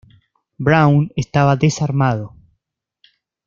Brown estaba desarmado.